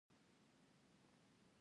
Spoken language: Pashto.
علم رڼا ده، او رڼا تیار روښانه کوي